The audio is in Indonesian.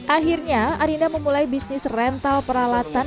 akhirnya arinda memulai bisnis rental peralatan